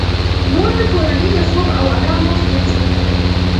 مور د کورنۍ د خوب او آرام وخت تنظیموي.